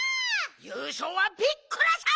ゆうしょうはピッコラさん！